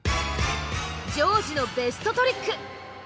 丈司のベストトリック。